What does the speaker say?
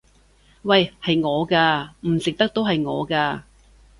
喂！係我㗎！唔食得都係我㗎！